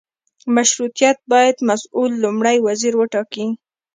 مشروطیت باید مسوول لومړی وزیر وټاکي.